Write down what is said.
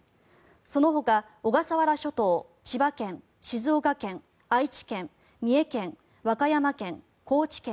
そのほか小笠原諸島、千葉県静岡県愛知県、三重県、和歌山県高知県